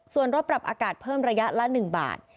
ส่วนรถปรับอากาศเพิ่มระยะละ๑บาท